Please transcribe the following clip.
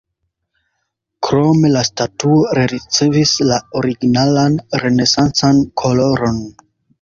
Krome la statuo rericevis la originalan renesancan koloron.